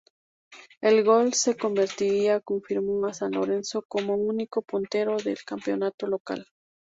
El gol que convertiría confirmó a San Lorenzo como único puntero del campeonato local.